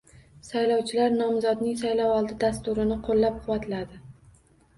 Saylovchilar nomzodning saylovoldi dasturini qo‘llab-quvvatladi